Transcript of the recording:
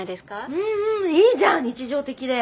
うんうんいいじゃん日常的で。